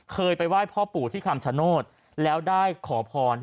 เคยไปไหว้พ่อปู่ที่คำชโนธแล้วได้ขอพร